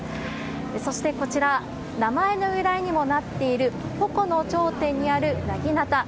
そして、こちら、名前の由来にもなっている、鉾の頂点にあるなぎなた。